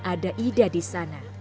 ada ida di sana